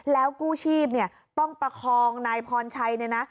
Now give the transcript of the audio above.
แล้วกู้ชีพเนี่ยต้องประคองนายพรชัยเนี่ยนะ